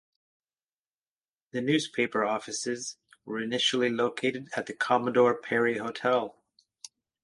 The newspaper offices were initially located at the Commodore Perry Hotel.